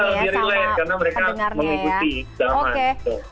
lebih relate karena mereka mengikuti zaman itu